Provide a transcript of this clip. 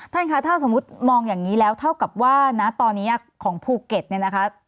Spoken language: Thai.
ท่านคะถ้าสมมุติมองอย่างนี้แล้วเท่ากับว่านะตอนนี้ของภูเก็ตเนี่ยนะคะ